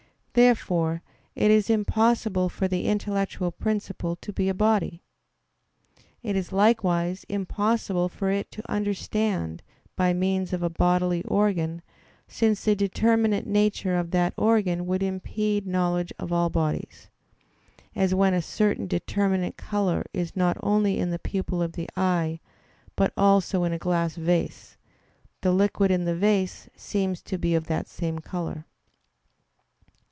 Therefore it is impossible for the intellectual principle to be a body. It is likewise impossible for it to understand by means of a bodily organ; since the determinate nature of that organ would impede knowledge of all bodies; as when a certain determinate color is not only in the pupil of the eye, but also in a glass vase, the liquid in the vase seems to be of that same color.